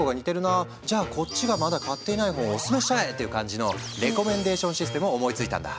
じゃあこっちがまだ買ってない本をオススメしちゃえ！っていう感じのレコメンデーションシステムを思いついたんだ。